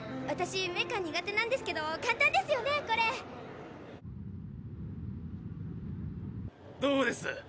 私メカ苦手なんですけど簡単ですよねこれ。どうです？